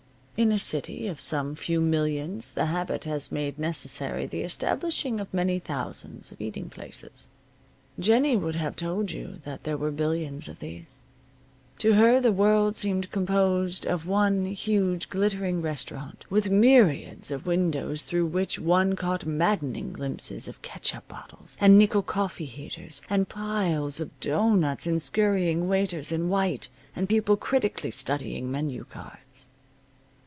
In a city of some few millions the habit has made necessary the establishing of many thousands of eating places. Jennie would have told you that there were billions of these. To her the world seemed composed of one huge, glittering restaurant, with myriads of windows through which one caught maddening glimpses of ketchup bottles, and nickel coffee heaters, and piles of doughnuts, and scurrying waiters in white, and people critically studying menu cards.